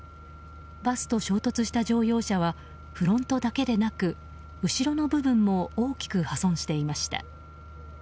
バスと衝突した乗用車はフロントだけでなく後ろの部分も大きく破損していました。